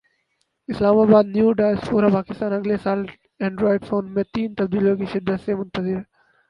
اسلام آبادنیو زڈیسکپورا پاکستان اگلے سال اینڈرائیڈ فون میں تین تبدیلیوں کی شدت سے منتظر ہے